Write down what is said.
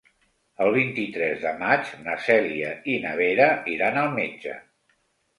El vint-i-tres de maig na Cèlia i na Vera iran al metge.